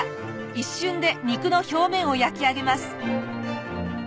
一瞬で肉の表面を焼き上げます。